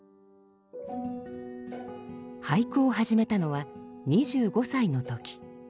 俳句を始めたのは２５歳の時。